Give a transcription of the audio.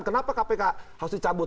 kenapa kpk harus dicabut